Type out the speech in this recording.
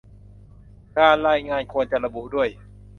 การรายงานควรจะระบุด้วย